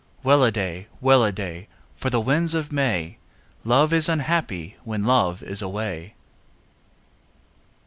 Welladay! Welladay! For the winds of May! Love is unhappy when love is away!